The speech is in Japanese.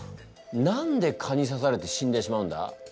何で蚊に刺されて死んでしまうんだ？